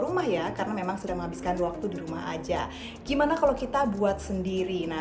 rumah ya karena memang sudah menghabiskan waktu di rumah aja gimana kalau kita buat sendiri nah